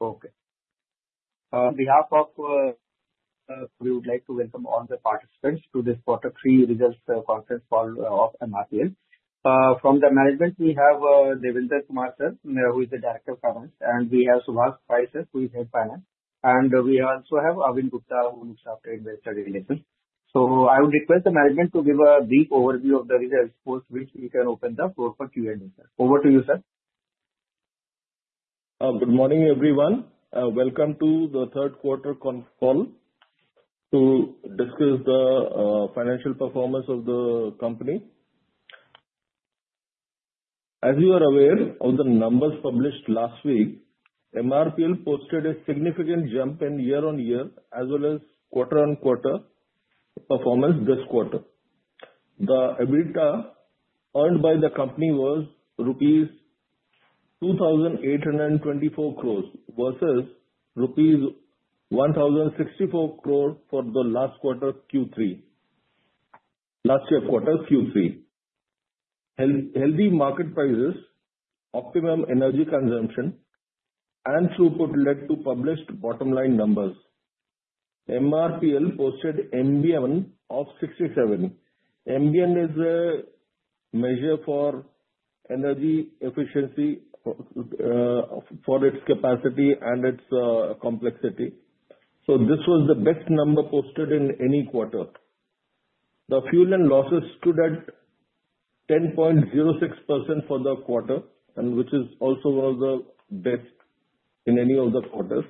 Okay. On behalf of. We would like to welcome all the participants to this quarter three results conference call of MRPL. From the management, we have Devendra Kumar Sir, who is the Director of Finance, and we have Subhash Pai, who is Head Finance. And we also have Arvind Gupta, who looks after investor relations. So I would request the management to give a brief overview of the results post, which we can open the floor for Q&A. Over to you, sir. Good morning, everyone. Welcome to the third quarter call to discuss the financial performance of the company. As you are aware of the numbers published last week, MRPL posted a significant jump in year-on-year, as well as quarter-on-quarter performance this quarter. The EBITDA earned by the company was rupees 2,824 crores versus rupees 1,064 crores for the last quarter Q3. Last year's quarter Q3. Healthy market prices, optimum energy consumption, and throughput led to published bottom-line numbers. MRPL posted MBN of 67. MBN is a measure for energy efficiency for its capacity and its complexity. So this was the best number posted in any quarter. The fuel and losses stood at 10.06% for the quarter, which is also one of the best in any of the quarters.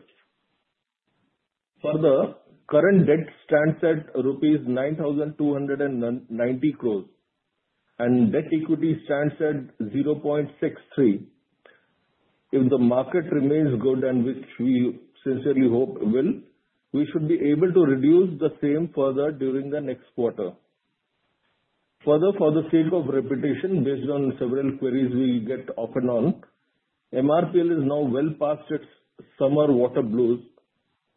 Further, current debt stands at rupees 9,290 crores, and debt equity stands at 0.63. If the market remains good, which we sincerely hope will, we should be able to reduce the same further during the next quarter. Further, for the sake of reputation, based on several queries we get often on, MRPL is now well past its summer water blues,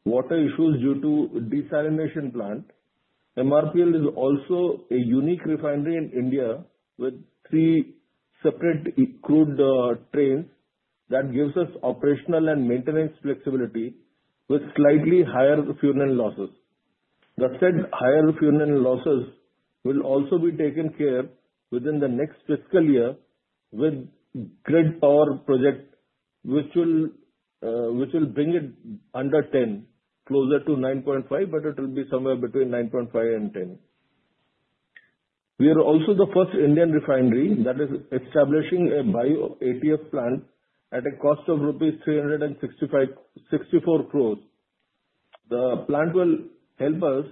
water issues due to desalination plant. MRPL is also a unique refinery in India with three separate crude trains that gives us operational and maintenance flexibility with slightly higher fuel and losses. The said higher fuel and losses will also be taken care of within the next fiscal year with grid power project, which will bring it under 10, closer to 9.5, but it will be somewhere between 9.5 and 10. We are also the first Indian refinery that is establishing a bio-ATF plant at a cost of rupees 364 crores. The plant will help us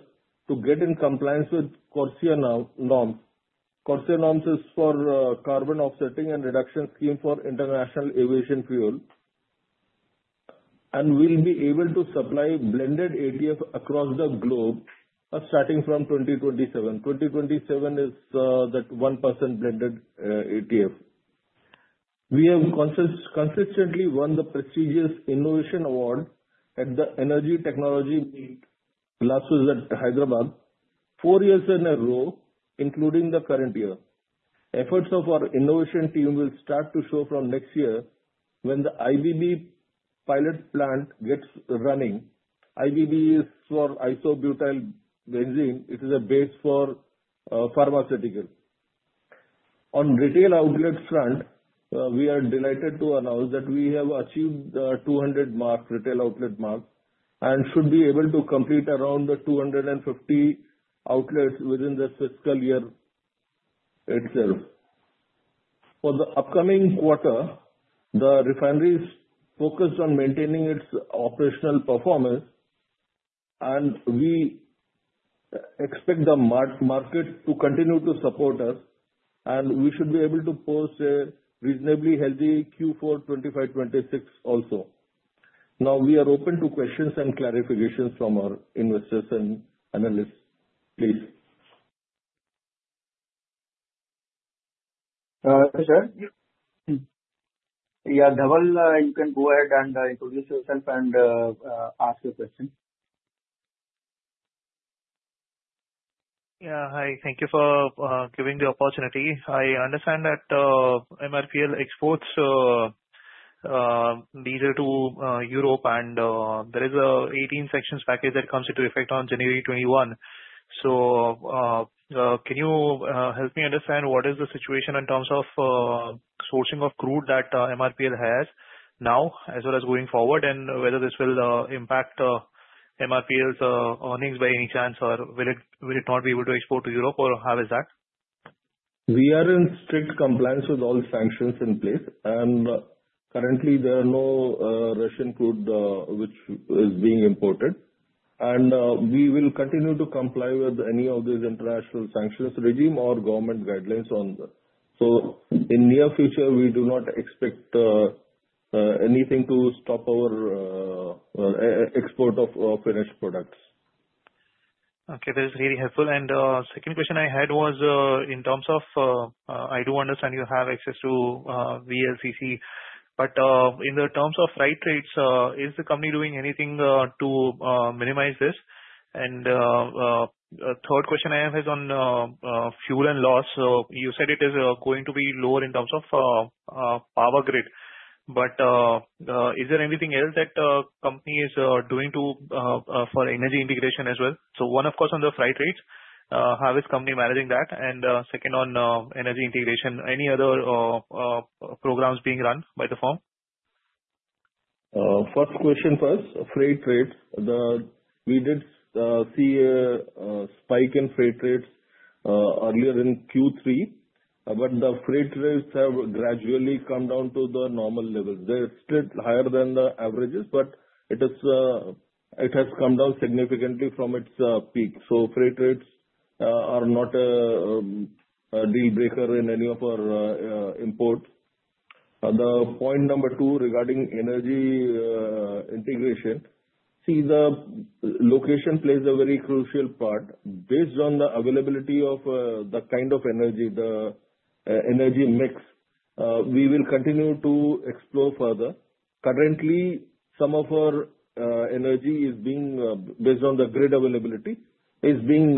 to get in compliance with CORSIA norms. CORSIA norms is for carbon offsetting and reduction scheme for international aviation fuel. And we'll be able to supply blended ATF across the globe starting from 2027. 2027 is that 1% blended ATF. We have consistently won the prestigious Innovation Award at the Energy Technology Meet, last visit to Hyderabad, four years in a row, including the current year. Efforts of our innovation team will start to show from next year when the IBB pilot plant gets running. IBB is for isobutyl benzene. It is a base for pharmaceuticals. On retail outlet front, we are delighted to announce that we have achieved the 200-mark retail outlet mark and should be able to complete around the 250 outlets within this fiscal year itself. For the upcoming quarter, the refinery is focused on maintaining its operational performance, and we expect the market to continue to support us, and we should be able to post a reasonably healthy Q4 FY 2026 also. Now, we are open to questions and clarifications from our investors and analysts. Please. Hi, sir. Yeah, Dhaval, you can go ahead and introduce yourself and ask your question. Yeah, hi. Thank you for giving the opportunity. I understand that MRPL exports diesel to Europe, and there is an EU sanctions package that comes into effect on January 21. So can you help me understand what is the situation in terms of sourcing of crude that MRPL has now, as well as going forward, and whether this will impact MRPL's earnings by any chance, or will it not be able to export to Europe, or how is that? We are in strict compliance with all sanctions in place. And currently, there are no Russian crude which is being imported. And we will continue to comply with any of these international sanctions regime or government guidelines. So in the near future, we do not expect anything to stop our export of finished products. Okay, that is really helpful. And the second question I had was in terms of I do understand you have access to VLCC, but in terms of freight rates, is the company doing anything to minimize this? And the third question I have is on fuel and loss. So you said it is going to be lower in terms of power grid, but is there anything else that the company is doing for energy integration as well? So one, of course, on the freight rates, how is the company managing that? And second, on energy integration, any other programs being run by the firm? First question first, freight rates. We did see a spike in freight rates earlier in Q3, but the freight rates have gradually come down to the normal level. They're still higher than the average, but it has come down significantly from its peak. So freight rates are not a deal breaker in any of our imports. The point number two regarding energy integration, see, the location plays a very crucial part. Based on the availability of the kind of energy, the energy mix, we will continue to explore further. Currently, some of our energy is being based on the grid. Availability is being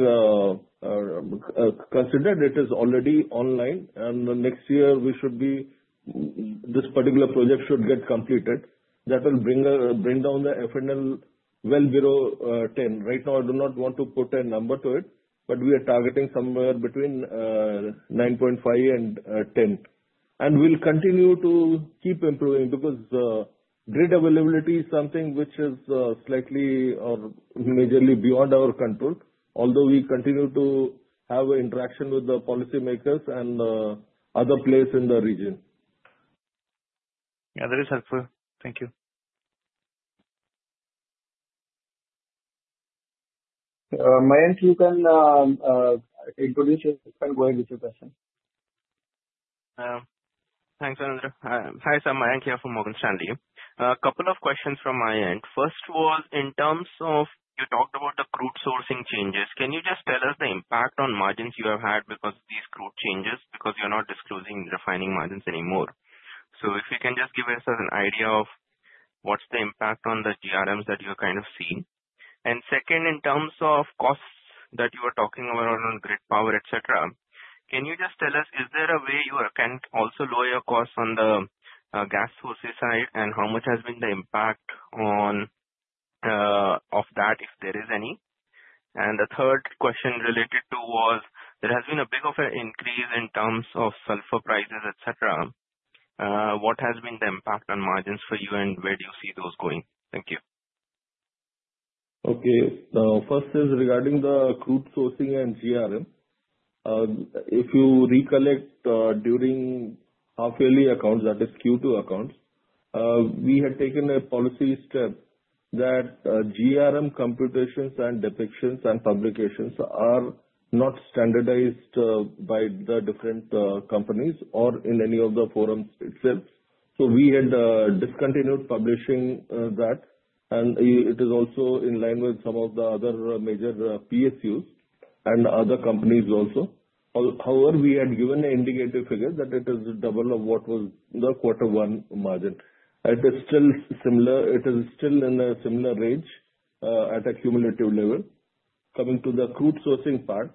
considered. It is already online, and next year, this particular project should get completed. That will bring down the FNL well below 10. Right now, I do not want to put a number to it, but we are targeting somewhere between 9.5 and 10. We'll continue to keep improving because grid availability is something which is slightly or majorly beyond our control, although we continue to have interaction with the policymakers and other players in the region. Yeah, that is helpful. Thank you. Mayank, you can introduce yourself and go ahead with your question. Thanks. Hi, sir. Mayank here from Morgan Stanley. A couple of questions from my end. First was in terms of you talked about the crude sourcing changes. Can you just tell us the impact on margins you have had because of these crude changes because you're not disclosing refining margins anymore? So if you can just give us an idea of what's the impact on the GRMs that you're kind of seeing. And second, in terms of costs that you are talking about on grid power, etc., can you just tell us, is there a way you can also lower your costs on the gas source side and how much has been the impact of that, if there is any? And the third question related to was there has been a big of an increase in terms of sulfur prices, etc. What has been the impact on margins for you, and where do you see those going? Thank you. Okay. First is regarding the crude sourcing and GRM. If you recollect during half-yearly accounts, that is Q2 accounts, we had taken a policy step that GRM computations and depictions and publications are not standardized by the different companies or in any of the forums itself. So we had discontinued publishing that, and it is also in line with some of the other major PSUs and other companies also. However, we had given an indicative figure that it is double of what was the quarter one margin. It is still similar. It is still in a similar range at a cumulative level. Coming to the crude sourcing part,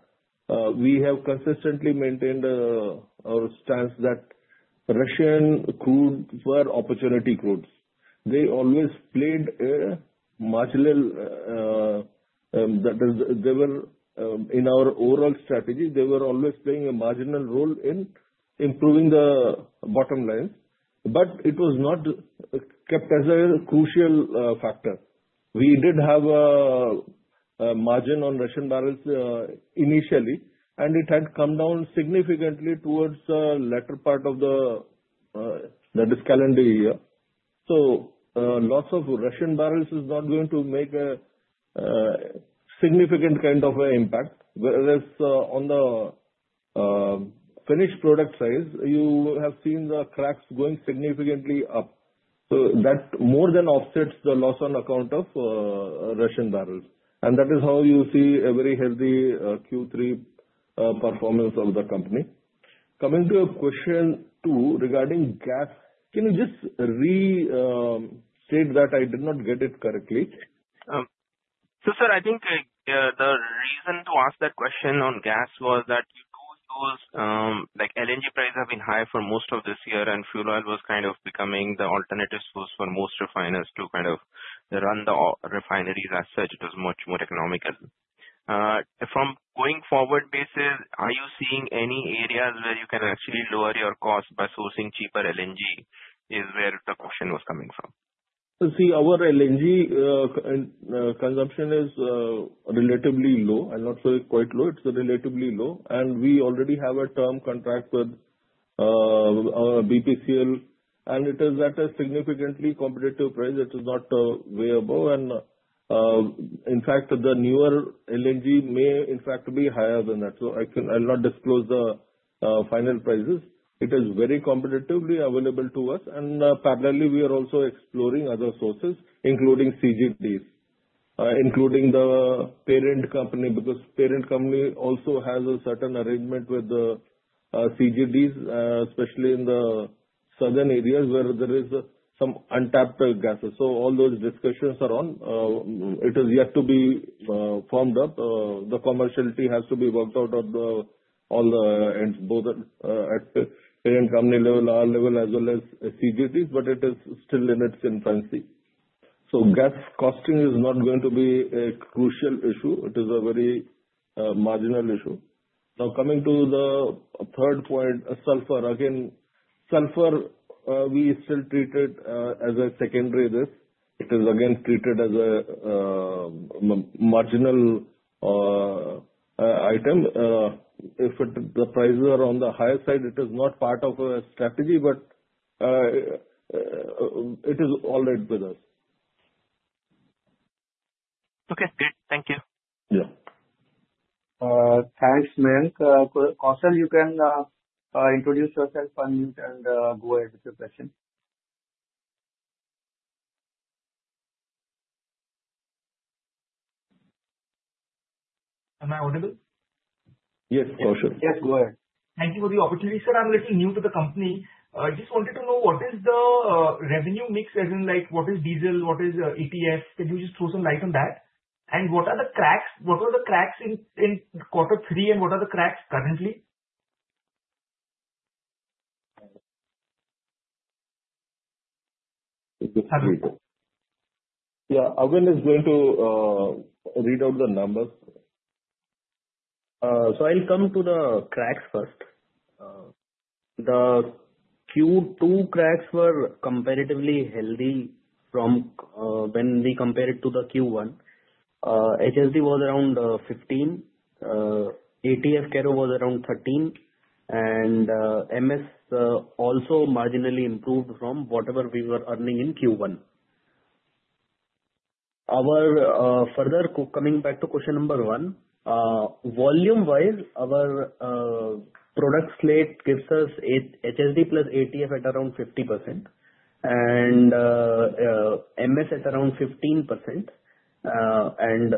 we have consistently maintained our stance that Russian crude were opportunity crudes. They always played a marginal that is, they were in our overall strategy, they were always playing a marginal role in improving the bottom lines, but it was not kept as a crucial factor. We did have a margin on Russian barrels initially, and it had come down significantly towards the latter part of the calendar year. So loss of Russian barrels is not going to make a significant kind of impact. Whereas on the finished product side, you have seen the cracks going significantly up. So that more than offsets the loss on account of Russian barrels. And that is how you see a very healthy Q3 performance of the company. Coming to a question two regarding gas, can you just restate that? I did not get it correctly. So, sir, I think the reason to ask that question on gas was that you do use like LNG prices have been high for most of this year, and fuel oil was kind of becoming the alternative source for most refiners to kind of run the refineries as such. It was much more economical. From a going forward basis, are you seeing any areas where you can actually lower your costs by sourcing cheaper LNG is where the question was coming from? See, our LNG consumption is relatively low. I'm not sure it's quite low. It's relatively low. And we already have a term contract with BPCL, and it is at a significantly competitive price. It is not way above. And in fact, the newer LNG may in fact be higher than that. So I'll not disclose the final prices. It is very competitively available to us. And parallelly, we are also exploring other sources, including CGDs, including the parent company because parent company also has a certain arrangement with the CGDs, especially in the southern areas where there is some untapped gases. So all those discussions are on. It has yet to be formed up. The commerciality has to be worked out on all the ends, both at parent company level, our level, as well as CGDs, but it is still in its infancy. So gas costing is not going to be a crucial issue. It is a very marginal issue. Now, coming to the third point, sulfur. Again, sulfur, we still treat it as a secondary risk. It is again treated as a marginal item. If the prices are on the higher side, it is not part of a strategy, but it is all right with us. Okay. Good. Thank you. Yeah. Thanks, Mayank. Kaushal, you can introduce yourself and go ahead with your question. Am I audible? Yes, for sure. Yes, go ahead. Thank you for the opportunity. Sir, I'm a little new to the company. I just wanted to know what is the revenue mix as in like what is diesel, what is ATF? Can you just throw some light on that? And what are the cracks? What were the cracks in quarter three and what are the cracks currently? Yeah, I'm going to read out the numbers. So I'll come to the cracks first. The Q2 cracks were comparatively healthy from when we compared it to the Q1. HSD was around 15. ATF crack was around 13. And MS also marginally improved from whatever we were earning in Q1. Further, coming back to question number one, volume-wise, our product slate gives us HSD plus ATF at around 50% and MS at around 15%. And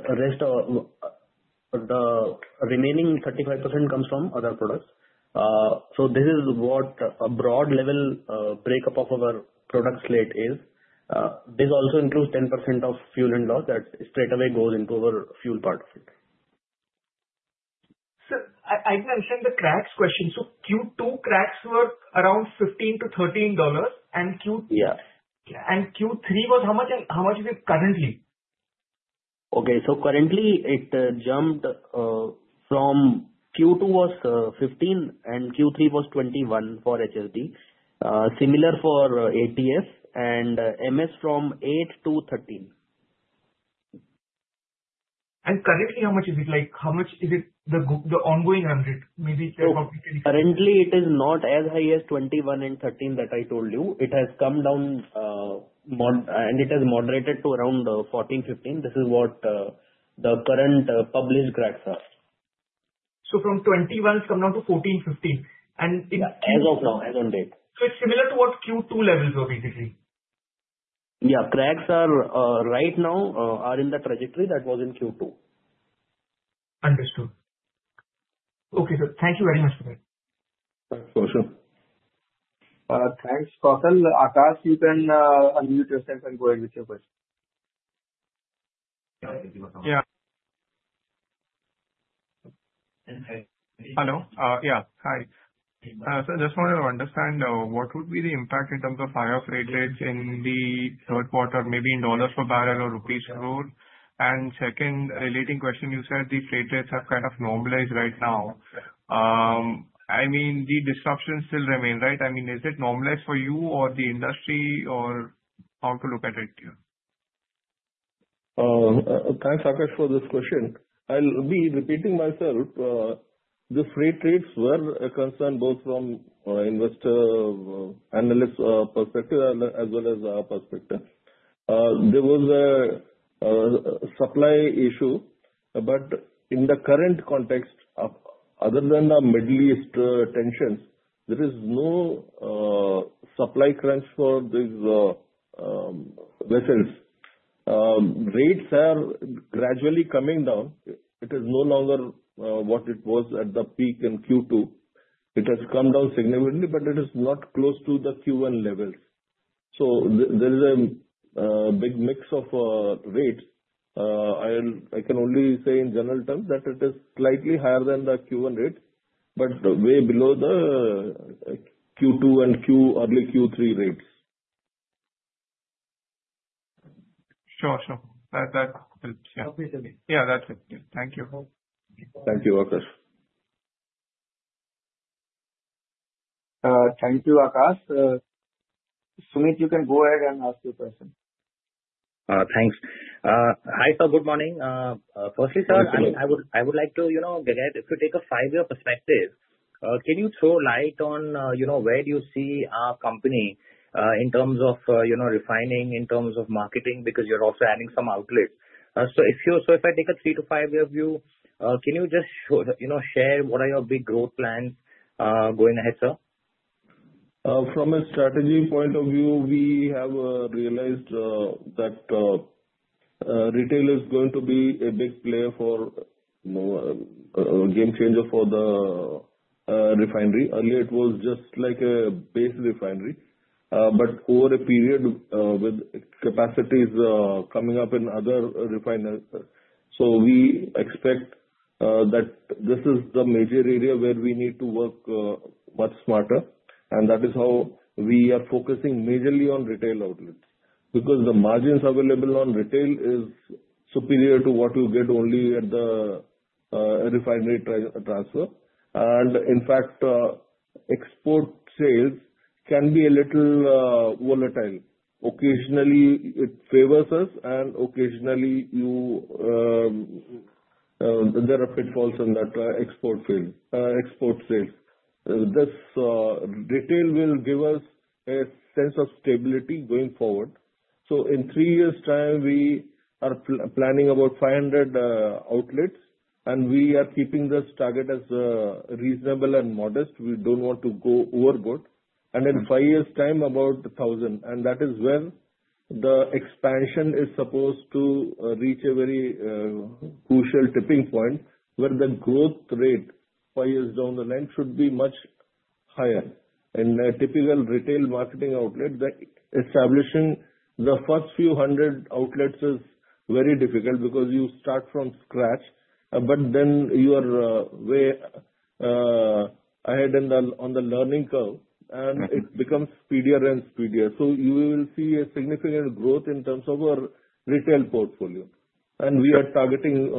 the remaining 35% comes from other products. So this is what a broad level breakup of our product slate is. This also includes 10% of fuel and loss that straight away goes into our fuel part. Sir, I mentioned the cracks question. So Q2 cracks were around $15-$13, and Q3 was how much is it currently? Okay, so currently, it jumped from Q2 was 15 and Q3 was 21 for HSD. Similar for ATF and MS from 8-13. Currently, how much is it? Like how much is it the ongoing 100? Maybe there's something you can explain. Currently, it is not as high as 21 and 13 that I told you. It has come down, and it has moderated to around 14, 15. This is what the current published cracks are. So from 21, it's come down to 14, 15. And it's. As of now, as of date. So it's similar to what Q2 levels were basically. Yeah, cracks are right now in the trajectory that was in Q2. Understood. Okay, sir. Thank you very much for that. For sure. Thanks, Kaushal. Akash, you can unmute yourself and go ahead with your question. Hello. Yeah, hi. So I just want to understand what would be the impact in terms of higher freight rates in the third quarter, maybe in dollars per barrel or rupees per oil? And second, relating question, you said the freight rates have kind of normalized right now. I mean, the disruptions still remain, right? I mean, is it normalized for you or the industry, or how to look at it here? Thanks, Akash, for this question. I'll be repeating myself. The freight rates were a concern both from investor analyst perspective as well as our perspective. There was a supply issue, but in the current context, other than the Middle East tensions, there is no supply crunch for these vessels. Rates are gradually coming down. It is no longer what it was at the peak in Q2. It has come down significantly, but it is not close to the Q1 levels. So there is a big mix of rates. I can only say in general terms that it is slightly higher than the Q1 rate, but way below the Q2 and early Q3 rates. Sure, sure. That helps. Yeah. Okay, sir. Yeah, that's it. Thank you. Thank you, Akash. Thank you, Akash. Suneet, you can go ahead and ask your question. Thanks. Hi, sir. Good morning. Firstly, sir, I would like to, if you take a five-year perspective, can you throw light on where do you see our company in terms of refining, in terms of marketing, because you're also adding some outlets? So if I take a three to five-year view, can you just share what are your big growth plans going ahead, sir? From a strategy point of view, we have realized that retail is going to be a big player for a game changer for the refinery. Earlier, it was just like a base refinery, but over a period with capacities coming up in other refineries, so we expect that this is the major area where we need to work much smarter, and that is how we are focusing majorly on retail outlets because the margins available on retail are superior to what you get only at the refinery transfer, and in fact, export sales can be a little volatile. Occasionally, it favors us, and occasionally, there are pitfalls in that export sales. This retail will give us a sense of stability going forward, so in three years' time, we are planning about 500 outlets, and we are keeping this target as reasonable and modest. We don't want to go overboard. In five years' time, about 1,000. That is where the expansion is supposed to reach a very crucial tipping point where the growth rate five years down the line should be much higher. In a typical retail marketing outlet, establishing the first few hundred outlets is very difficult because you start from scratch, but then you are way ahead on the learning curve, and it becomes speedier and speedier. You will see a significant growth in terms of our retail portfolio. We are targeting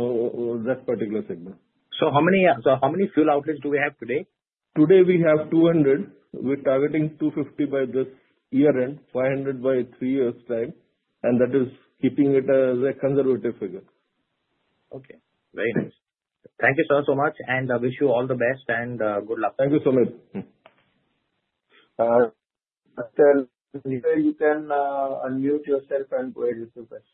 that particular segment. So how many fuel outlets do we have today? Today, we have 200. We're targeting 250 by this year end, 500 by three years' time, and that is keeping it as a conservative figure. Okay. Very nice. Thank you, sir, so much, and I wish you all the best and good luck. Thank you, Suneet. Sir, you can unmute yourself and go ahead with your question.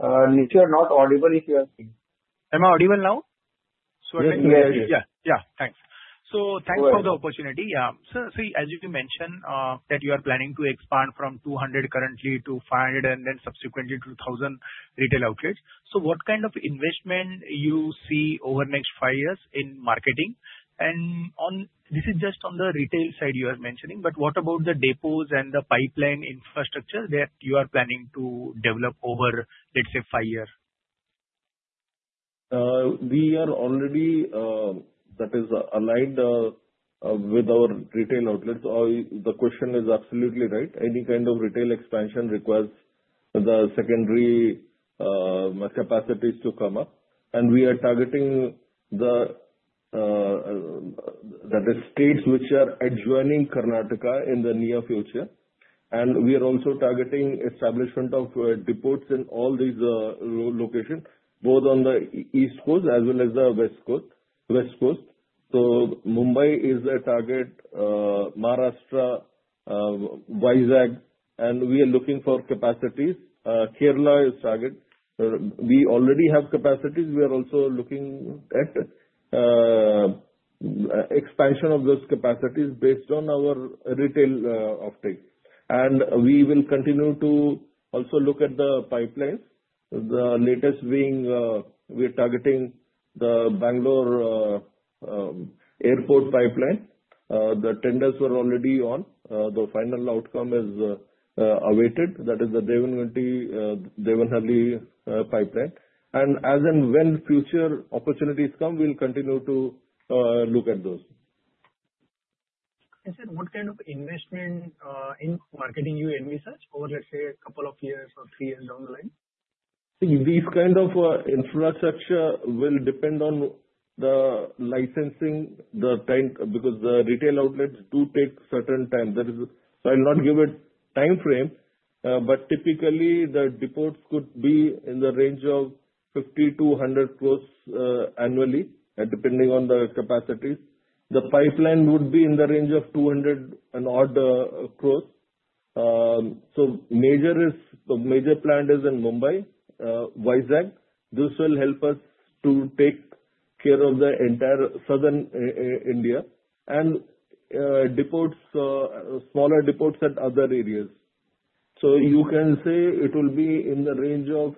Nilesh, you're not audible if you are speaking. Am I audible now? Yes. Thanks for the opportunity. So, as you mentioned, that you are planning to expand from 200 currently to 500 and then subsequently to 1,000 retail outlets. So what kind of investment do you see over the next five years in marketing? And this is just on the retail side you are mentioning, but what about the depots and the pipeline infrastructure that you are planning to develop over, let's say, five years? We are already, that is, aligned with our retail outlets. The question is absolutely right. Any kind of retail expansion requires the secondary capacities to come up. And we are targeting the states which are adjoining Karnataka in the near future. And we are also targeting establishment of depots in all these locations, both on the East Coast as well as the West Coast. So Mumbai is a target, Maharashtra, Visakhapatnam, and we are looking for capacities. Kerala is target. We already have capacities. We are also looking at expansion of those capacities based on our retail uptake. And we will continue to also look at the pipelines. The latest being, we are targeting the Bangalore Airport pipeline. The tenders were already on. The final outcome is awaited. That is the Devanahalli pipeline. And as and when future opportunities come, we'll continue to look at those. Sir, what kind of investment in marketing you envisage over, let's say, a couple of years or three years down the line? These kinds of infrastructure will depend on the licensing because the retail outlets do take certain time. So I'll not give a time frame, but typically, the depots could be in the range of 50-100 crores annually, depending on the capacities. The pipeline would be in the range of 200 and odd crores. So the major plant is in Mumbai, Visakhapatnam. This will help us to take care of the entire southern India and smaller depots at other areas. So you can say it will be in the range of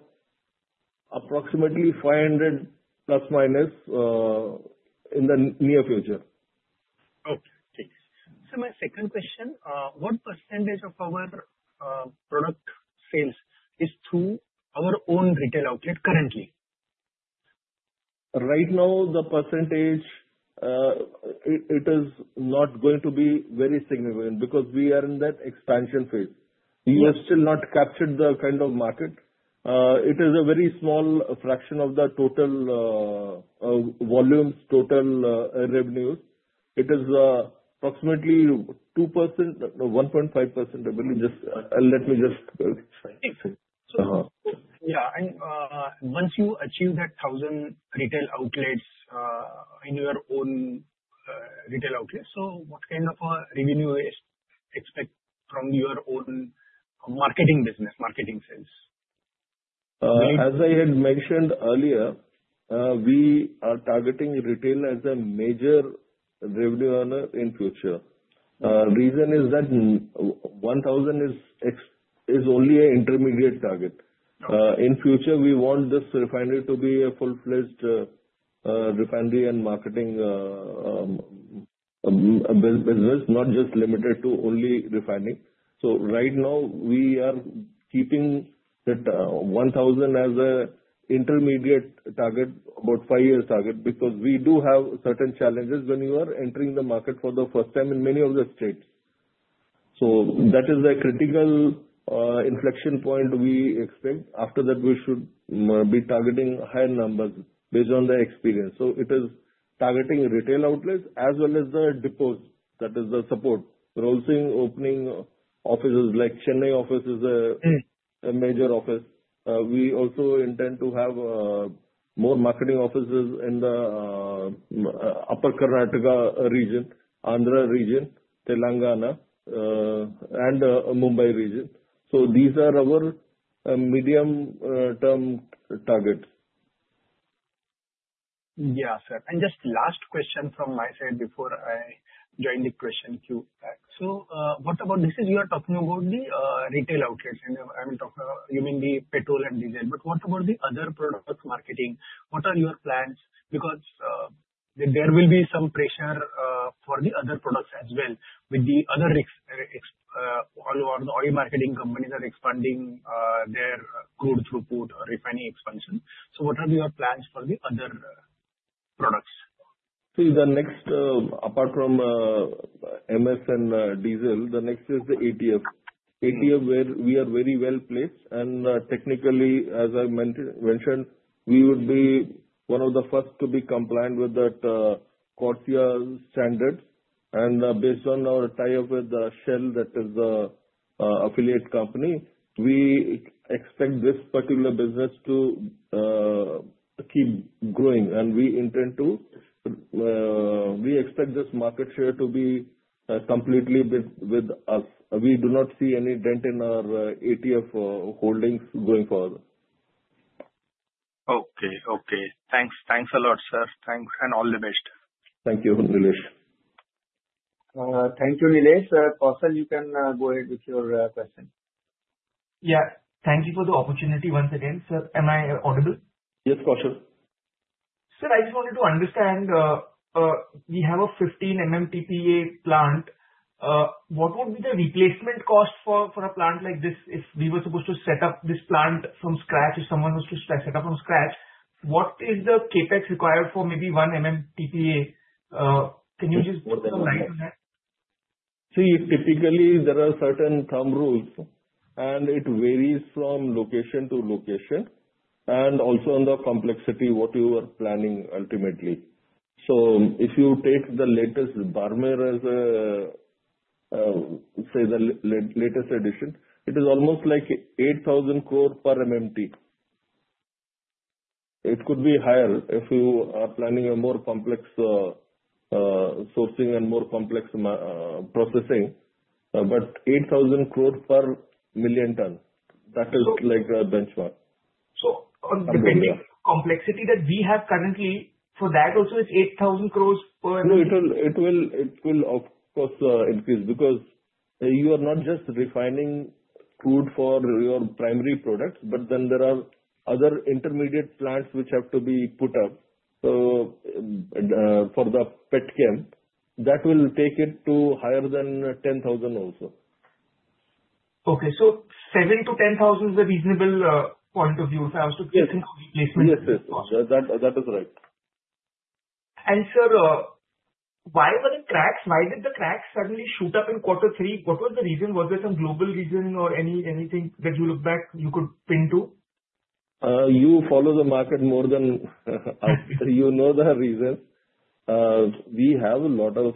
approximately 500 plus minus in the near future. Okay. So my second question, what percentage of our product sales is through our own retail outlet currently? Right now, the percentage, it is not going to be very significant because we are in that expansion phase. We have still not captured the kind of market. It is a very small fraction of the total volumes, total revenues. It is approximately 2%, 1.5%, I believe. Let me just. Okay. So yeah, and once you achieve that 1,000 retail outlets in your own retail outlet, so what kind of a revenue expect from your own marketing business, marketing sales? As I had mentioned earlier, we are targeting retail as a major revenue earner in the future. The reason is that 1,000 is only an intermediate target. In the future, we want this refinery to be a full-fledged refinery and marketing business, not just limited to only refining. So right now, we are keeping that 1,000 as an intermediate target, about five-year target, because we do have certain challenges when you are entering the market for the first time in many of the states. So that is a critical inflection point we expect. After that, we should be targeting higher numbers based on the experience. So it is targeting retail outlets as well as the depots. That is the support. We're also opening offices like Chennai office is a major office. We also intend to have more marketing offices in the Upper Karnataka region, Andhra region, Telangana, and Mumbai region. So these are our medium-term targets. Yeah, sir, and just the last question from my side before I join the question queue. So what about this? You are talking about the retail outlets, and I mean, you mean the petrol and diesel, but what about the other products marketing? What are your plans? Because there will be some pressure for the other products as well with the other oil marketing companies that are expanding their crude throughput or refining expansion. So what are your plans for the other products? See, the next, apart from MS and diesel, is the ATF. ATF, where we are very well placed. And technically, as I mentioned, we would be one of the first to be compliant with that CORSIA standard. And based on our tie-up with Shell, that is the affiliate company, we expect this particular business to keep growing. And we expect this market share to be completely with us. We do not see any dent in our ATF holdings going forward. Okay, okay. Thanks. Thanks a lot, sir. Thanks. And all the best. Thank you, Nilesh. Thank you, Nilesh. Kaushal, you can go ahead with your question. Yeah. Thank you for the opportunity once again, sir. Am I audible? Yes, Kaushal. Sir, I just wanted to understand. We have a 15 MMTPA plant. What would be the replacement cost for a plant like this? If we were supposed to set up this plant from scratch, if someone was to set up from scratch, what is the CapEx required for maybe 1 MMTPA? Can you just put some light on that? See, typically, there are certain term rules, and it varies from location to location and also on the complexity of what you are planning ultimately. So if you take the latest Barmer as, say, the latest edition, it is almost like 8,000 crore per MMT. It could be higher if you are planning a more complex sourcing and more complex processing, but 8,000 crore per million ton. That is like a benchmark. So depending on the complexity that we have currently for that, also it's 8,000 crores per MMT? No, it will, of course, increase because you are not just refining crude for your primary products, but then there are other intermediate plants which have to be put up for the petchem. That will take it to higher than 10,000 also. Okay, so seven to 10,000 is a reasonable point of view, sir, as to the replacement cost. Yes, yes, yes. That is right. Sir, why were the cracks? Why did the cracks suddenly shoot up in quarter three? What was the reason? Was there some global reason or anything that you look back you could pin to? You follow the market more than us. You know the reason. We have a lot of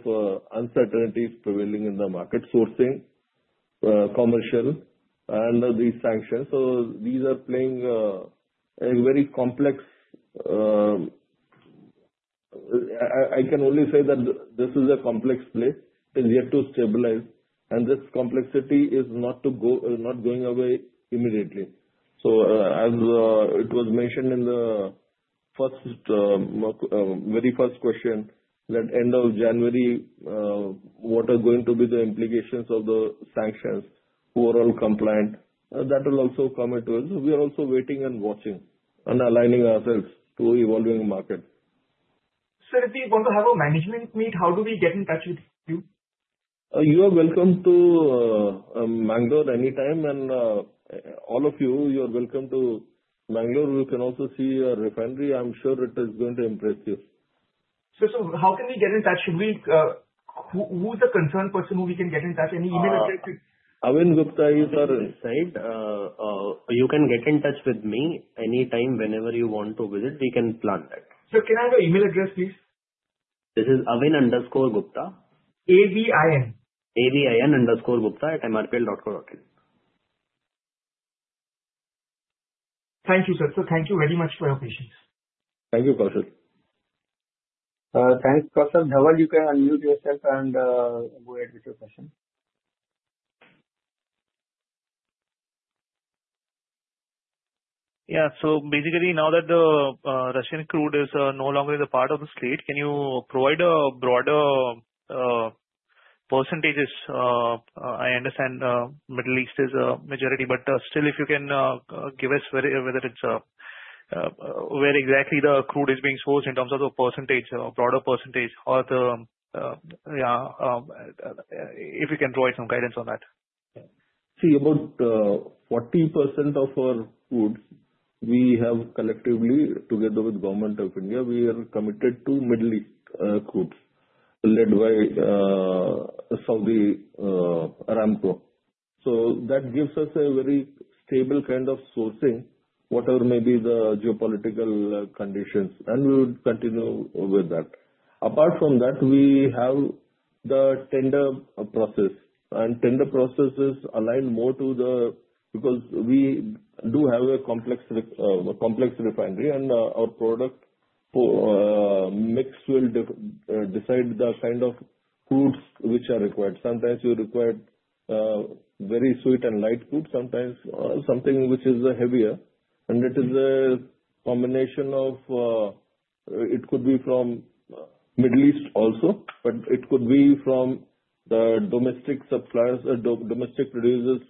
uncertainties prevailing in the market, sourcing, commercial, and these sanctions. So these are playing a very complex. I can only say that this is a complex phase. It's yet to stabilize, and this complexity is not going away immediately. So as it was mentioned in the very first question, that end of January, what are going to be the implications of the sanctions? Who are all compliant? That will also come into it. So we are also waiting and watching and aligning ourselves to the evolving market. Sir, if we want to have a management meet, how do we get in touch with you? You are welcome to Mangalore anytime, and all of you, you are welcome to Mangalore. You can also see a refinery. I'm sure it is going to impress you. So how can we get in touch? Who's the concerned person who we can get in touch? Any email address? Arvind Gupta is our guy. You can get in touch with me anytime whenever you want to visit. We can plan that. Sir, can I have your email address, please? This is Arvind Gupta. A-V-I-N? A-v-i-n_gupta@mrpl.co.in. Thank you, sir. Thank you very much for your patience. Thank you, Kaushal. Thanks, Kaushal. Dhaval, you can unmute yourself and go ahead with your question. Yeah. So basically, now that the Russian crude is no longer a part of the slate, can you provide a broader percentages? I understand the Middle East is a majority. But still, if you can give us whether it's where exactly the crude is being sourced in terms of the percentage, a broader percentage, if you can provide some guidance on that. See, about 40% of our crude, we have collectively, together with the Government of India, we are committed to Middle East crude led by Saudi Aramco, so that gives us a very stable kind of sourcing, whatever may be the geopolitical conditions, and we would continue with that. Apart from that, we have the tender process, and the tender process is aligned more to the because we do have a complex refinery, and our product mix will decide the kind of crudes which are required. Sometimes we require very sweet and light crude, sometimes something which is heavier, and it is a combination of it could be from the Middle East also, but it could be from the domestic producers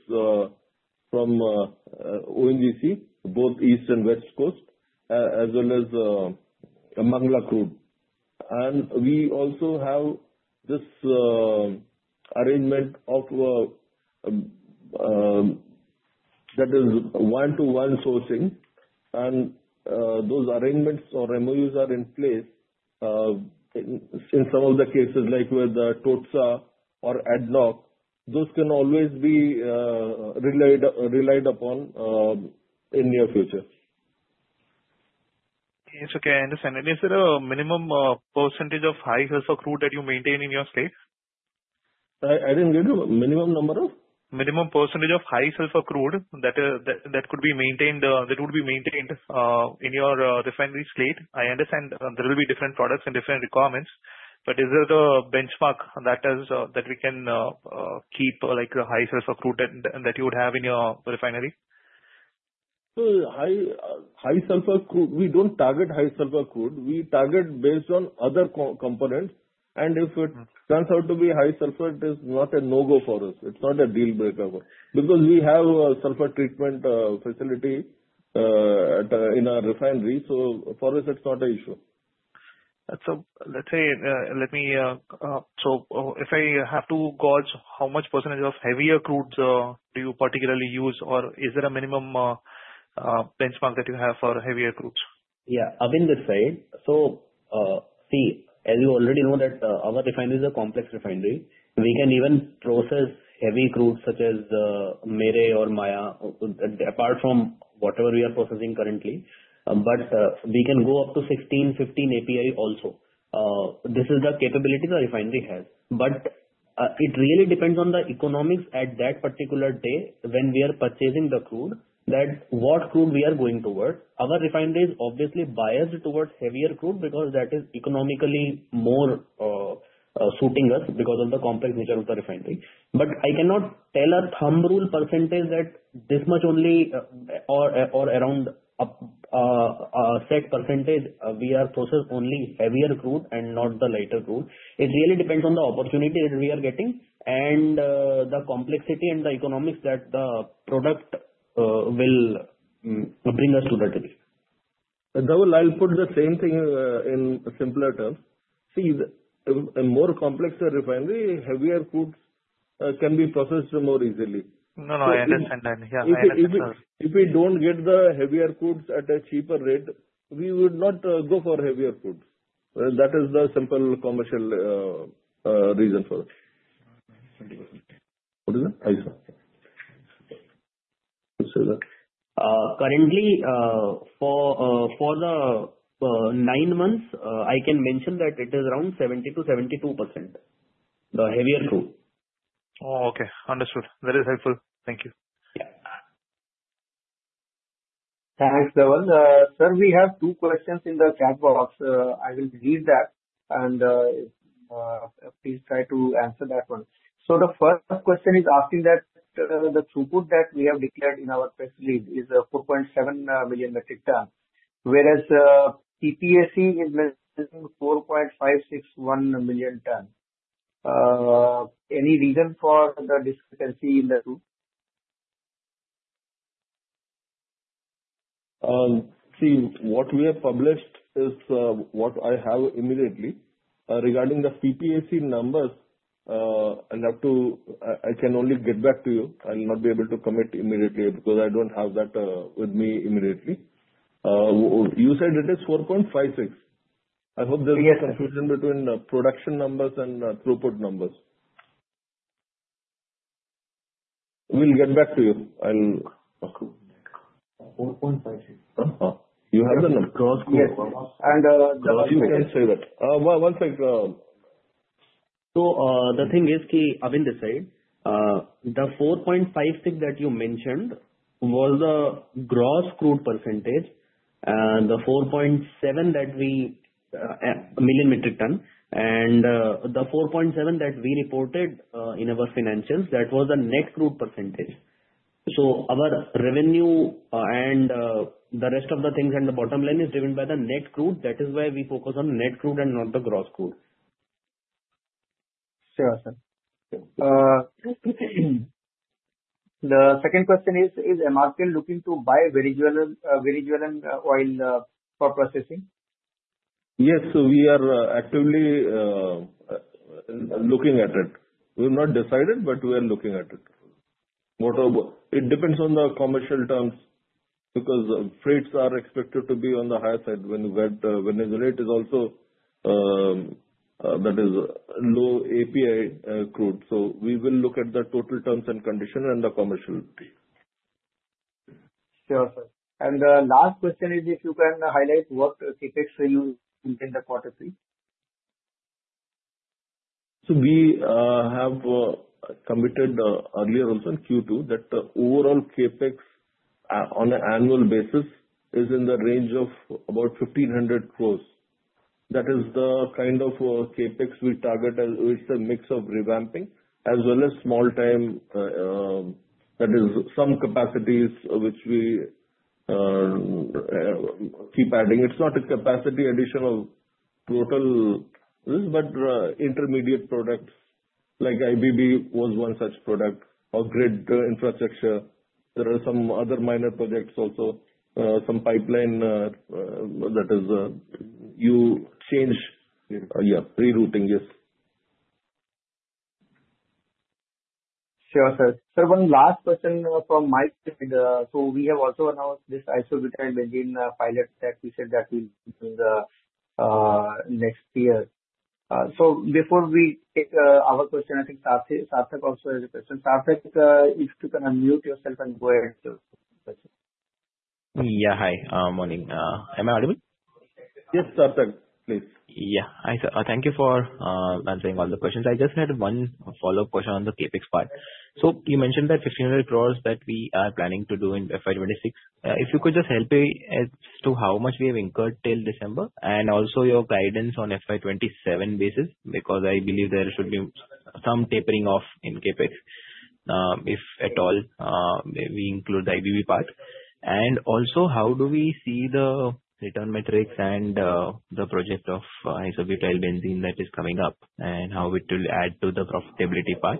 from ONGC, both East Coast and West Coast, as well as Mangalore crude, and we also have this arrangement of that is one-to-one sourcing, and those arrangements or MOUs are in place. In some of the cases, like with TOTSA or ADNOC, those can always be relied upon in the near future. Okay. So can I understand? And is there a minimum percentage of high-sulfur crude that you maintain in your slate? I didn't get you. Minimum number of? Minimum percentage of high-sulfur crude that could be maintained in your refinery slate? I understand there will be different products and different requirements. But is there a benchmark that we can keep like the high-sulfur crude that you would have in your refinery? High sulfur, we don't target high sulfur. We target based on other components. If it turns out to be high sulfur, it is not a no-go for us. It's not a deal breaker because we have a sulfur treatment facility in our refinery. For us, it's not an issue. So let's say, if I have to gauge how much percentage of heavier crudes do you particularly use, or is there a minimum benchmark that you have for heavier crudes? Yeah. Even the same. So see, as you already know, our refinery is a complex refinery. We can even process heavy crudes such as Merey or Maya, apart from whatever we are processing currently. But we can go up to 16-15 API also. This is the capability the refinery has. But it really depends on the economics at that particular day when we are purchasing the crude, that what crude we are going toward. Our refinery is obviously biased towards heavier crude because that is economically more suiting us because of the complex nature of the refinery. But I cannot tell a thumb rule percentage that this much only or around a set percentage we are processing only heavier crude and not the lighter crude. It really depends on the opportunity that we are getting and the complexity and the economics that the product will bring us to that degree. Dhaval, I'll put the same thing in simpler terms. See, a more complex refinery, heavier crudes can be processed more easily. No, no. I understand. Yeah. I understand, sir. If we don't get the heavier crudes at a cheaper rate, we would not go for heavier crudes. That is the simple commercial reason for it. What is it? I saw it. You said that. Currently, for the nine months, I can mention that it is around 70%-72%, the heavier crude. Oh, okay. Understood. That is helpful. Thank you. Yeah. Thanks, Dhaval. Sir, we have two questions in the chat box. I will read that, and please try to answer that one. So the first question is asking that the throughput that we have declared in our press release is 4.7 million metric tons, wheeas PPAC is mentioning 4.561 million tons. Any reason for the discrepancy in the two? See, what we have published is what I have immediately. Regarding the PPAC numbers, I have to. I can only get back to you. I'll not be able to comment immediately because I don't have that with me immediately. You said it is 4.56. I hope there's no confusion between production numbers and throughput numbers. We'll get back to you. I'll. 4.56. You have the number. Yes. And the last thing. You can say that. One second. So the thing is, as in the same, the 4.56 that you mentioned was the gross crude percentage, and the 4.7 million metric ton, and the 4.7 that we reported in our financials, that was the net crude percentage. So our revenue and the rest of the things and the bottom line is driven by the net crude. That is why we focus on net crude and not the gross crude. Sure, sir. The second question is, is MRPL looking to buy crude oil for processing? Yes. So we are actively looking at it. We have not decided, but we are looking at it. It depends on the commercial terms because freights are expected to be on the higher side when the rate is also that is low API crude. So we will look at the total terms and conditions and the commercial. Sure, sir. And the last question is, if you can highlight what CapEx you in the quarter three? So we have committed earlier also in Q2 that the overall CapEx on an annual basis is in the range of about 1,500 crores. That is the kind of CapEx we target as it's a mix of revamping as well as small-time that is some capacities which we keep adding. It's not a capacity addition of total this, but intermediate products like IBB was one such product or grid infrastructure. There are some other minor projects also, some pipeline that is you change. Yeah. Rerouting, yes. Sure, sir. Sir, one last question from Mike. So we have also announced this isobutyl benzene the pilot that we said that we'll do in the next year. So before we take our question, I think Sarthak also has a question. Sarthak, if you can unmute yourself and go ahead with your question. Yeah. Hi. Morning. Am I audible? Yes, Sarthak, please. Yeah. Hi, sir. Thank you for answering all the questions. I just had one follow-up question on the CapEx part. So you mentioned that 1,500 crores that we are planning to do in FY 2026. If you could just help as to how much we have incurred till December and also your guidance on FY 2027 basis because I believe there should be some tapering off in CapEx if at all we include the IBB part. And also, how do we see the return metrics and the project of isobutyl benzene that is coming up and how it will add to the profitability part?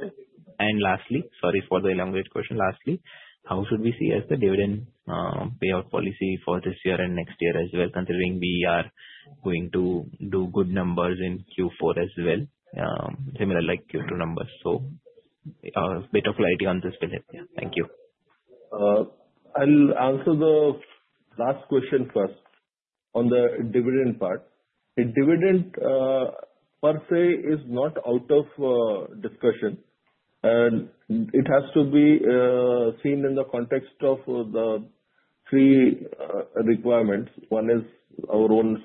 And lastly, sorry for the elaborate question. Lastly, how should we see as the dividend payout policy for this year and next year as well, considering we are going to do good numbers in Q4 as well, similar like Q2 numbers? So a bit of clarity on this will help. Yeah. Thank you. I'll answer the last question first on the dividend part. The dividend per se is not out of discussion. It has to be seen in the context of the three requirements. One is our own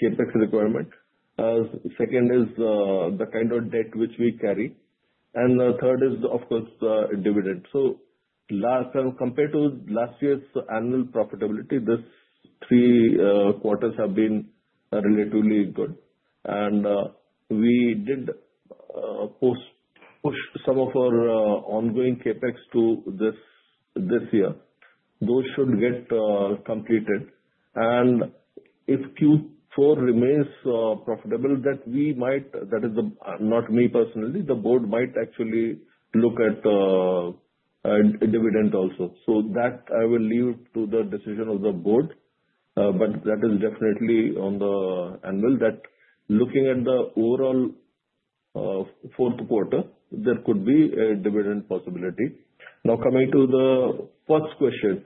Capex requirement. Second is the kind of debt which we carry. And the third is, of course, the dividend. So compared to last year's annual profitability, these three quarters have been relatively good. And we did push some of our ongoing Capex to this year. Those should get completed. And if Q4 remains profitable, that we might, that is not me personally, the board might actually look at dividend also. So that I will leave to the decision of the board. But that is definitely on the annual that looking at the overall fourth quarter, there could be a dividend possibility. Now, coming to the first question.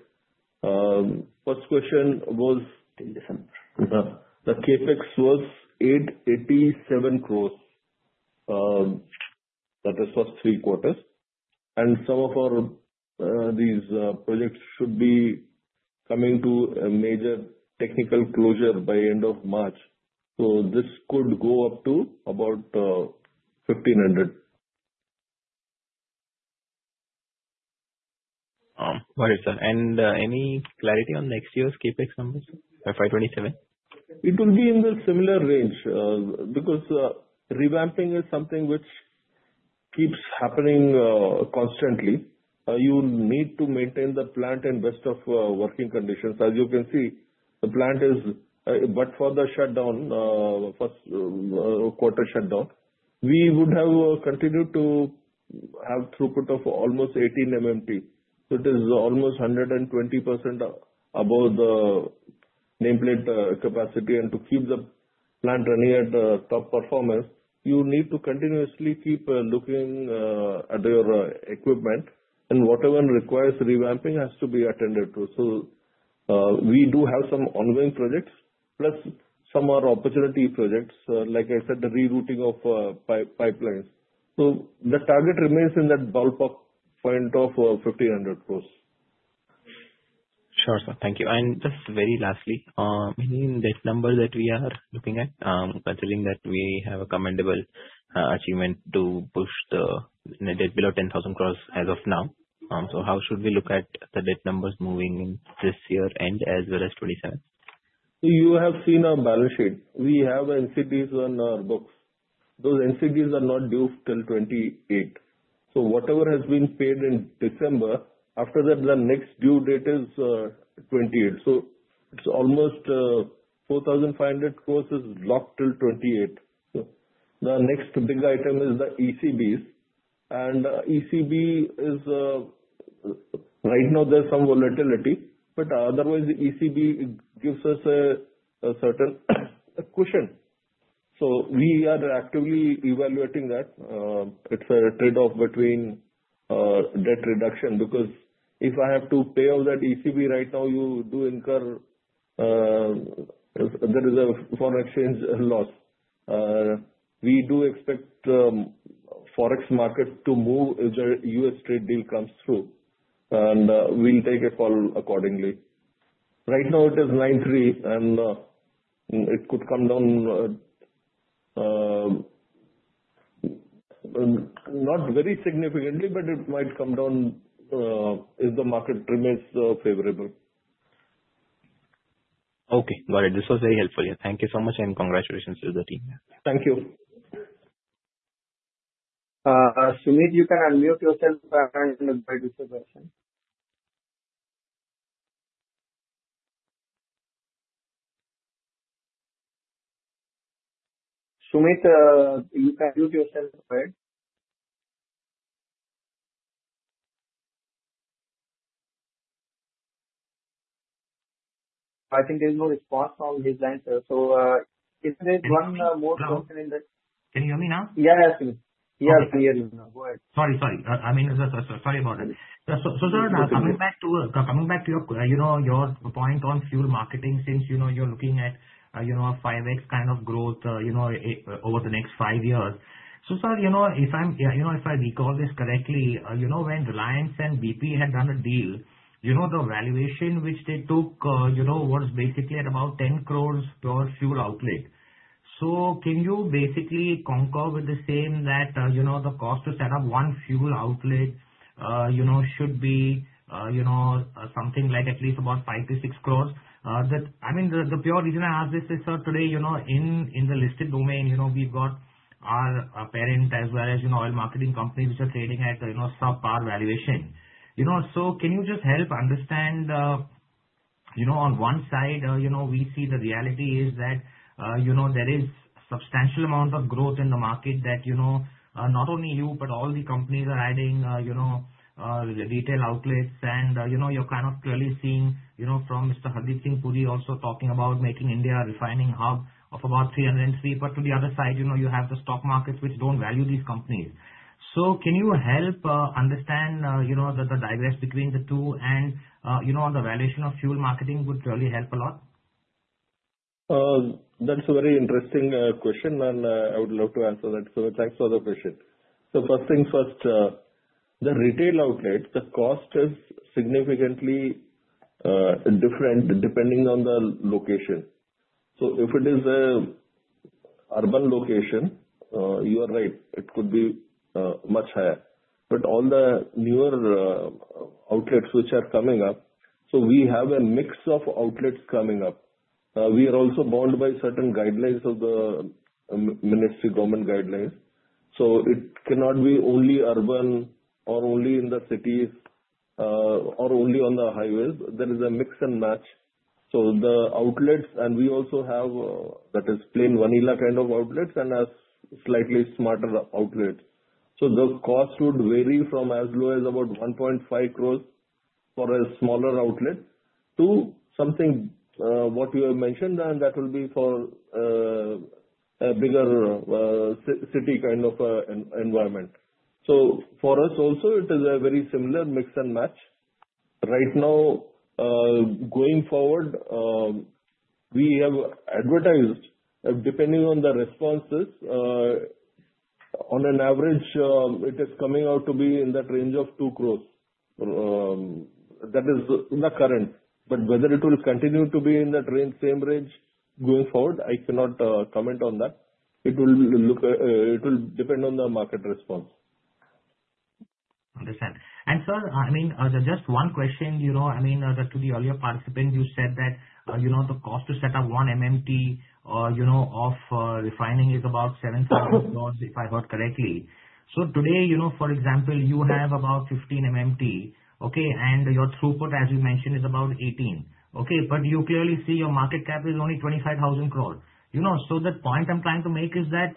First question was. In December. The Capex was 887 crores. That is for three quarters. And some of these projects should be coming to a major technical closure by end of March. So this could go up to about 1,500 crores. Got it, sir, and any clarity on next year's CapEx numbers for FY 2027? It will be in the similar range because revamping is something which keeps happening constantly. You need to maintain the plant in best of working conditions. As you can see, the plant is but for the shutdown, first quarter shutdown, we would have continued to have throughput of almost 18 MMT. So it is almost 120% above the nameplate capacity. And to keep the plant running at the top performance, you need to continuously keep looking at your equipment. And whatever requires revamping has to be attended to. So we do have some ongoing projects, plus some are opportunity projects, like I said, the rerouting of pipelines. So the target remains in that ballpark of 1,500 crores. Sure, sir. Thank you. And just very lastly, any debt numbers that we are looking at, considering that we have a commendable achievement to push the debt below 10,000 crores as of now? So how should we look at the debt numbers moving in this year and as well as 2027? You have seen our balance sheet. We have NCDs on our books. Those NCDs are not due till 2028. Whatever has been paid in December, after that, the next due date is 2028. It's almost 4,500 crores locked till 2028. The next big item is the ECBs. ECB is right now. There's some volatility. But otherwise, the ECB gives us a certain cushion. We are actively evaluating that. It's a trade-off between debt reduction because if I have to pay off that ECB right now, you do incur. There is a foreign exchange loss. We do expect the forex market to move if the U.S. trade deal comes through. We'll take a call accordingly. Right now, it is 93, and it could come down not very significantly, but it might come down if the market remains favorable. Okay. Got it. This was very helpful. Yeah. Thank you so much, and congratulations to the team. Thank you. Sumit, you can unmute yourself and go ahead with your question. Sumit, you can mute yourself ahead. I think there's no response on his answer. So is there one more question in the. Can you hear me now? Yeah, yeah, Sumit. Yeah, we hear you now. Go ahead. Sorry, sorry. I mean, sorry about that. So sir, now coming back to your point on fuel marketing since you're looking at a 5X kind of growth over the next five years. So sir, if I recall this correctly, when Reliance and BP had done a deal, the valuation which they took was basically at about 10 crores per fuel outlet. So can you basically concur with the same that the cost to set up one fuel outlet should be something like at least about 5 crores- 6 crores? I mean, the pure reason I ask this is, sir, today in the listed domain, we've got our parent as well as oil marketing companies which are trading at subpar valuation. Can you just help understand on one side? We see the reality is that there is a substantial amount of growth in the market that not only you, but all the companies are adding retail outlets. And you're kind of clearly seeing from Mr. Hardeep Singh Puri also talking about making India a refining hub of about 303. But to the other side, you have the stock markets which don't value these companies. So can you help understand the discrepancy between the two? And the valuation of fuel marketing would really help a lot. That's a very interesting question, and I would love to answer that. So thanks for the question. So first things first, the retail outlet, the cost is significantly different depending on the location. So if it is an urban location, you are right, it could be much higher. But all the newer outlets which are coming up, so we have a mix of outlets coming up. We are also bound by certain guidelines of the Ministry government guidelines. So it cannot be only urban or only in the cities or only on the highways. There is a mix and match. So the outlets, and we also have that is plain vanilla kind of outlets and slightly smarter outlets. The cost would vary from as low as about 1.5 crores for a smaller outlet to something what you have mentioned, and that will be for a bigger city kind of environment. For us also, it is a very similar mix and match. Right now, going forward, we have advertised depending on the responses, on an average, it is coming out to be in that range of two crores. That is the current. But whether it will continue to be in that same range going forward, I cannot comment on that. It will depend on the market response. Understood. And sir, I mean, just one question. I mean, to the earlier participant, you said that the cost to set up one MMT of refining is about 7,000 crores, if I heard correctly. So today, for example, you have about 15 MMT, okay, and your throughput, as you mentioned, is about 18. Okay. But you clearly see your market cap is only 25,000 crores. So the point I'm trying to make is that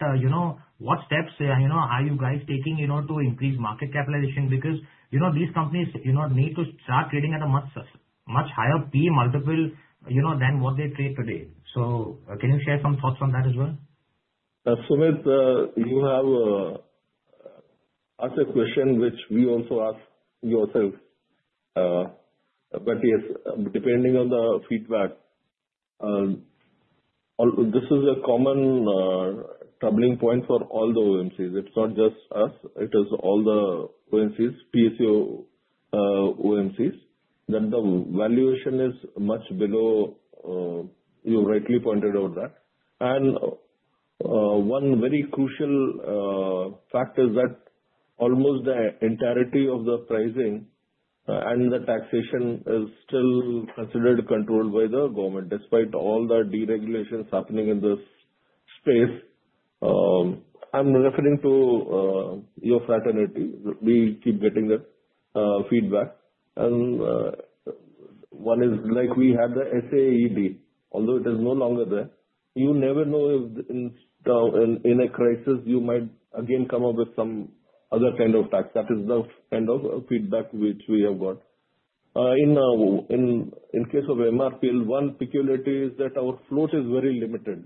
what steps are you guys taking to increase market capitalization? Because these companies need to start trading at a much higher P multiple than what they trade today. So can you share some thoughts on that as well? Sumit, you have asked a question which we also ask yourself. But yes, depending on the feedback, this is a common troubling point for all the OMCs. It's not just us. It is all the OMCs, PSU OMCs, that the valuation is much below you rightly pointed out that. And one very crucial fact is that almost the entirety of the pricing and the taxation is still considered controlled by the government despite all the deregulations happening in this space. I'm referring to your fraternity. We keep getting that feedback. And one is like we had the SAED, although it is no longer there. You never know if in a crisis, you might again come up with some other kind of tax. That is the kind of feedback which we have got. In case of MRPL, one peculiarity is that our float is very limited.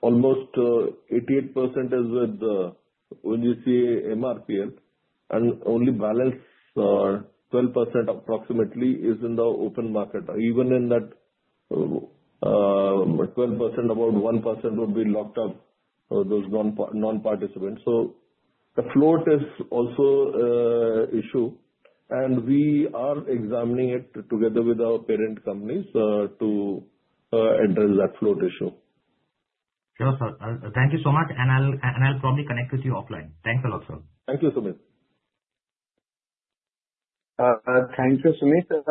Almost 88% is with ONGC MRPL, and only balance 12% approximately is in the open market. Even in that 12%, about 1% would be locked up for those non-participants. So the float is also an issue, and we are examining it together with our parent companies to address that float issue. Sure, sir. Thank you so much. And I'll probably connect with you offline. Thanks a lot, sir. Thank you, Sumit. Thank you, Sumit.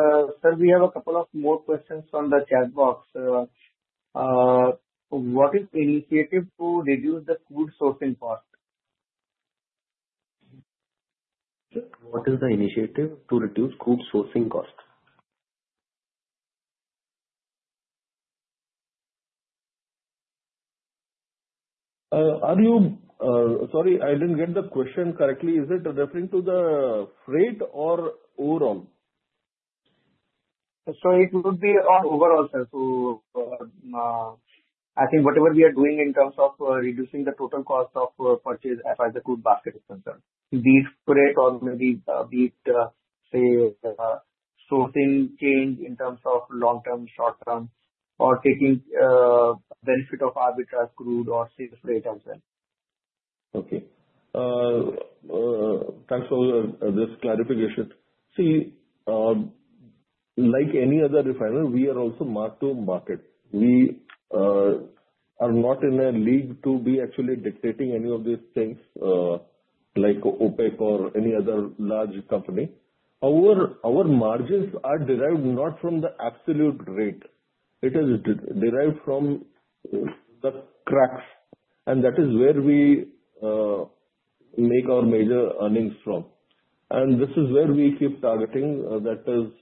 Sir, we have a couple of more questions on the chat box. What is the initiative to reduce the crude sourcing cost? What is the initiative to reduce crude sourcing cost? Sorry, I didn't get the question correctly. Is it referring to the freight or overall? So it would be overall, sir. So I think whatever we are doing in terms of reducing the total cost of purchase as far as the crude basket is concerned, be it freight or maybe be it, say, sourcing change in terms of long-term, short-term, or taking benefit of arbitrage crude or sea freight as well. Okay. Thanks for this clarification. See, like any other refiner, we are also marked to market. We are not in a league to be actually dictating any of these things like OPEC or any other large company. Our margins are derived not from the absolute rate. It is derived from the cracks. And that is where we make our major earnings from. And this is where we keep targeting. That is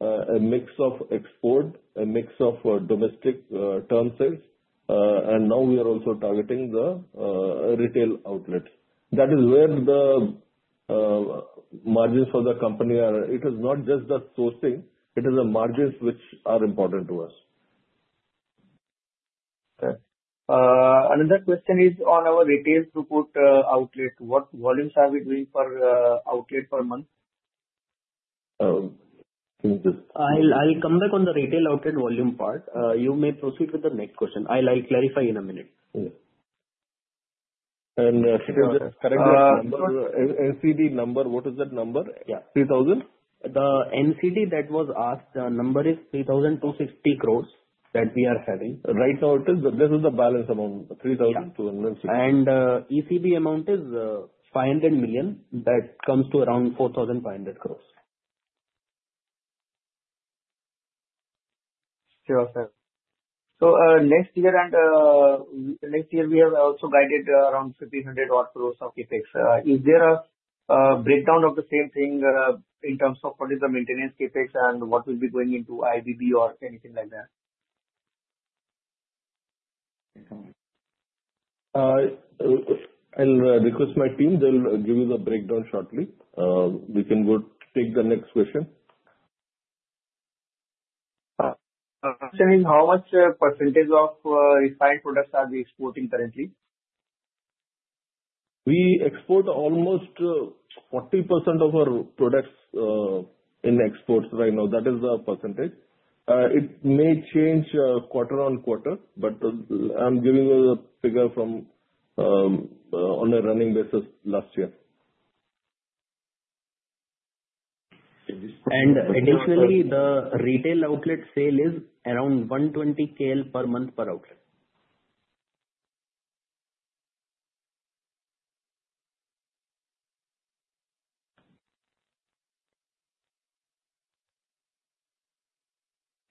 a mix of export, a mix of domestic term sales. And now we are also targeting the retail outlets. That is where the margins for the company are. It is not just the sourcing. It is the margins which are important to us. Okay. Another question is on our retail throughput outlet. What volumes are we doing for outlet per month? I'll come back on the retail outlet volume part. You may proceed with the next question. I'll clarify in a minute. Correct the number. NCD number, what is that number? Yeah. 3,000? The NCD that was asked, the number is 3,260 crores that we are having. Right now, this is the balance amount, 3,260. And ECB amount is 500 million. That comes to around 4,500 crores. Sure, sir. So next year, we have also guided around 1,500 crores of CapEx. Is there a breakdown of the same thing in terms of what is the maintenance CapEx and what will be going into IBB or anything like that? I'll request my team. They'll give you the breakdown shortly. We can go take the next question. Question is, how much % of refined products are we exporting currently? We export almost 40% of our products in exports right now. That is the percentage. It may change quarter on quarter, but I'm giving you the figure from on a running basis last year. Additionally, the retail outlet sale is around 120 KL per month per outlet.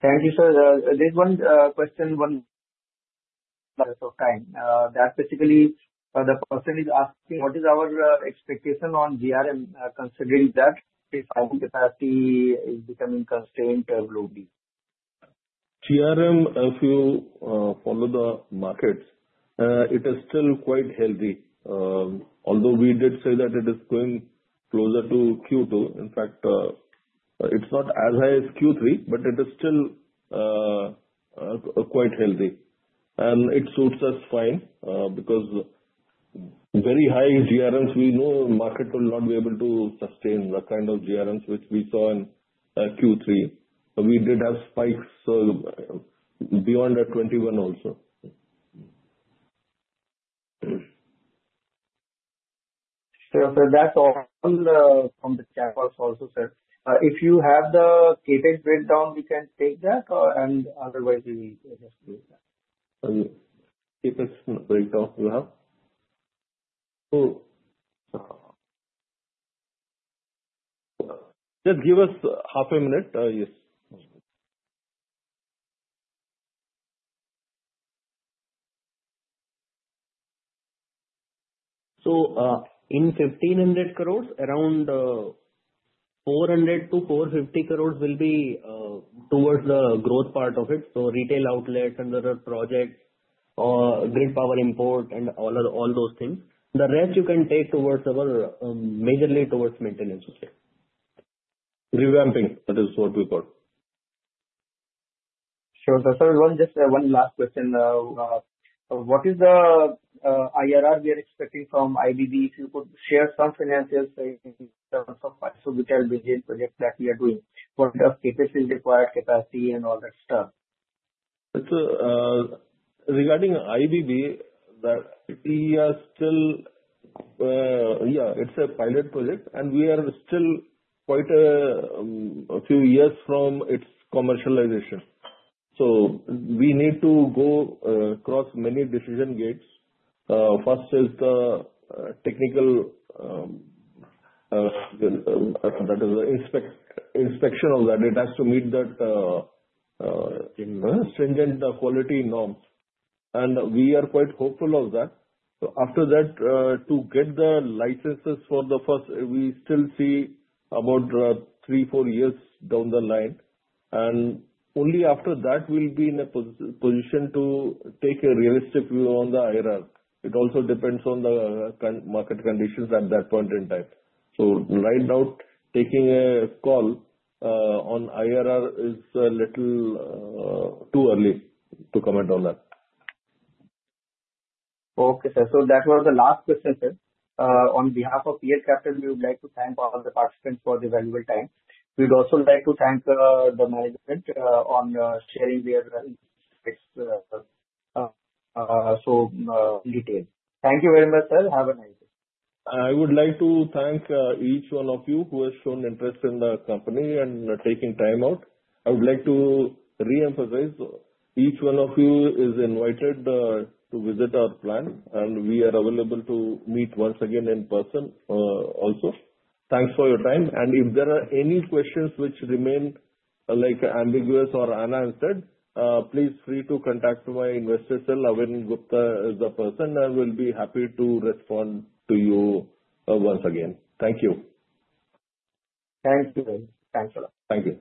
Thank you, sir. There's one question, one last question. That's basically the person is asking what is our expectation on GRM considering that refining capacity is becoming constrained globally? GRM, if you follow the markets, it is still quite healthy. Although we did say that it is going closer to Q2. In fact, it's not as high as Q3, but it is still quite healthy, and it suits us fine because very high GRMs, we know the market will not be able to sustain the kind of GRMs which we saw in Q3. We did have spikes beyond that 21 also. Sure, sir. That's all from the chat box also, sir. If you have the CapEx breakdown, we can take that, and otherwise, we will just do that. CapEx breakdown you have? Just give us half a minute. Yes. In INR 1,500 crores, around 400-450 crores will be towards the growth part of it. Retail outlets and other projects or grid power import and all those things. The rest you can take majorly towards maintenance. Revamping. That is what we call. Sure, sir. Just one last question. What is the IRR we are expecting from IBB? If you could share some financials in terms of Isobutyl project that we are doing, what the CapEx is required capacity and all that stuff. Regarding IBB, we are still, yeah, it's a pilot project, and we are still quite a few years from its commercialization, so we need to go across many decision gates. First is the technical, that is the inspection of that. It has to meet the stringent quality norms, and we are quite hopeful of that. After that, to get the licenses for the first, we still see about three, four years down the line, and only after that, we'll be in a position to take a realistic view on the IRR. It also depends on the market conditions at that point in time, so right now, taking a call on IRR is a little too early to comment on that. Okay, sir. So that was the last question, sir. On behalf of PL Capital, we would like to thank all the participants for the valuable time. We'd also like to thank the management on sharing their details. Thank you very much, sir. Have a nice day. I would like to thank each one of you who has shown interest in the company and taking time out. I would like to re-emphasize, each one of you is invited to visit our plant, and we are available to meet once again in person also. Thanks for your time, and if there are any questions which remain ambiguous or unanswered, please feel free to contact my investor, sir. Arvind Gupta is the person, and we'll be happy to respond to you once again. Thank you. Thank you. Thank you.